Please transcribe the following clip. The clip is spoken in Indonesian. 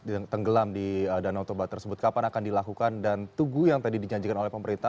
yang tenggelam di danau toba tersebut kapan akan dilakukan dan tugu yang tadi dijanjikan oleh pemerintah